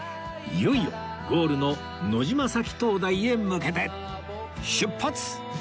いよいよゴールの野島埼灯台へ向けて出発！